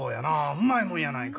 うまいもんやないか。